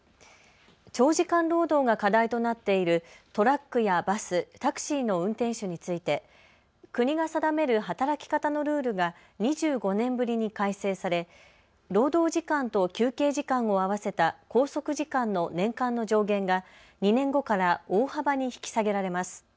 長時間労働が課題となっているトラックやバス、タクシーの運転手について国が定める働き方のルールが２５年ぶりに改正され労働時間と休憩時間を合わせた拘束時間の年間の上限が２年後から大幅に引き下げられます。